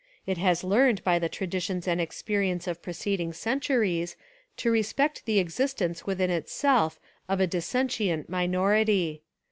It has learned by the traditions and experience of preceding centuries to respect the existence within itself of a dissentient minority.